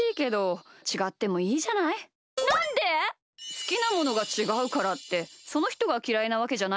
すきなものがちがうからってそのひとがきらいなわけじゃないし。